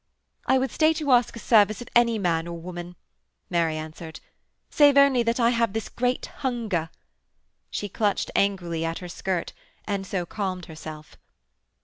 'I would stay to ask a service of any man or woman,' Mary answered, 'save only that I have this great hunger.' She clutched angrily at her skirt, and so calmed herself.